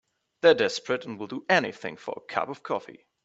They're desperate and will do anything for a cup of coffee.